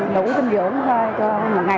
đủ tinh dưỡng thôi cho một ngày